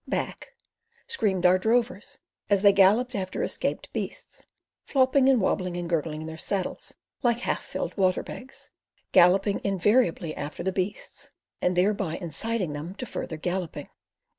(back), screamed our drovers, as they galloped after escaped beasts, flopping and wobbling and gurgling in their saddles like half filled water bags; galloping invariably after the beasts, and thereby inciting there to further galloping.